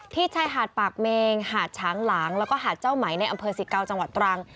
ชายหาดปากเมงหาดฉางหลางแล้วก็หาดเจ้าไหมในอำเภอสิเกาจังหวัดตรัง